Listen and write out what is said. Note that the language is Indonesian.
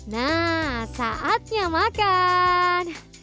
nah saatnya makan